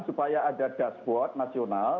supaya ada dashboard nasional